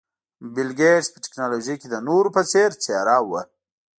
بل ګېټس په ټکنالوژۍ کې د نورو په څېر څېره وه.